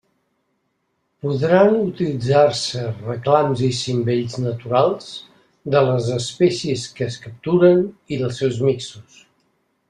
Podran utilitzar-se reclams i cimbells naturals de les espècies que es capturen i dels seus mixtos.